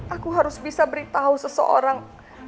aku harus bisa beritahu seseorang